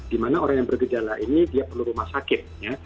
di mana orang yang bergejala ini dia perlu rumah sakit ya